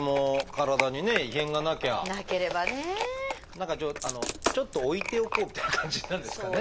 何かちょっと置いておこうみたいな感じなんですかね。